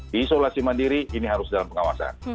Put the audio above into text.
di isolasi mandiri ini harus dalam pengawasan